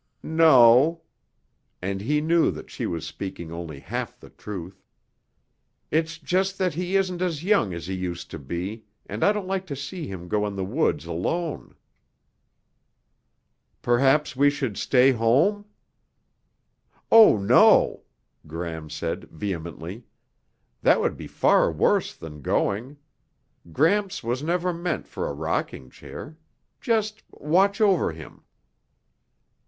"No," and he knew that she was speaking only half the truth. "It's just that he isn't as young as he used to be and I don't like to see him go in the woods alone." "Perhaps we should stay home?" "Oh no!" Gram said vehemently. "That would be far worse than going. Gramps was never meant for a rocking chair. Just watch over him."